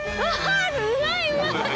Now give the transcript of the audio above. うまいうまい！